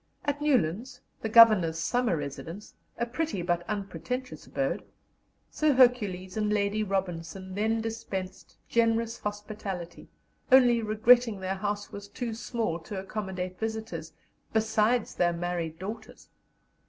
At Newlands, the Governor's summer residence, a pretty but unpretentious abode, Sir Hercules and Lady Robinson then dispensed generous hospitality, only regretting their house was too small to accommodate visitors, besides their married daughters.